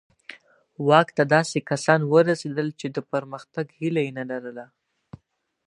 واک ته داسې کسان ورسېدل چې د پرمختګ هیله یې نه لرله.